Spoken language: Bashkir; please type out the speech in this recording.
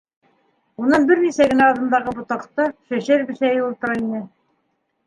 Унан бер нисә генә аҙымдағы ботаҡта Чешир Бесәйе ултыра ине.